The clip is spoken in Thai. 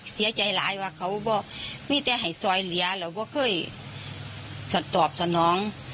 เสียใจหลายว่าเขาว่านี่แต่ให้ซอยเหลียหรือว่าเคยสัตว์ตอบสนอง